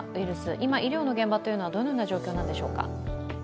今、医療の現場はどのような状況なんでしょうか？